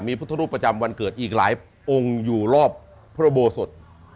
มีพุทธรูปประจำวันเกิดอีกหลายองค์อยู่รอบพระโบสถ